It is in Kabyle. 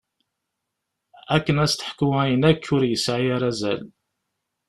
Akken ad s-teḥku ayen akk ur yesɛi ara azal.